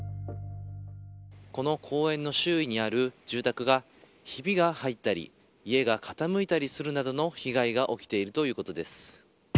この公園の周囲にある住宅がひびが入ったり、家が傾いたりするなどの被害が起きているということです。